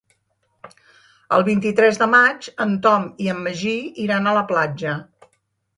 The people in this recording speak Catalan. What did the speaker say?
El vint-i-tres de maig en Tom i en Magí iran a la platja.